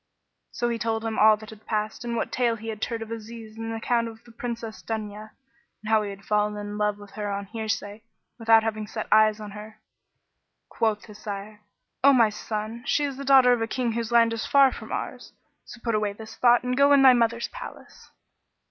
So he told him all that had passed and what tale he had heard of Aziz and the account of the Princess Dunya; and how he had fallen in love of her on hearsay, without having set eyes on her. Quoth his sire, "O my son, she is the daughter of a King whose land is far from ours: so put away this thought and go in to thy mother's palace."